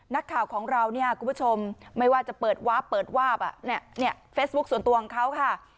นักข่าวของเราเนี่ยคุณผู้ชมไม่ว่าจะเปิดวาร์ฟเปิดวาบเนี่ยเฟซบุ๊คส่วนตัวของเขาค่ะ